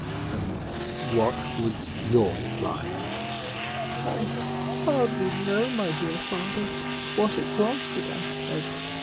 "And what was your reply?" "I hardly know, my dear father, what it was that I said.